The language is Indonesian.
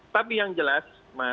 tapi yang jelas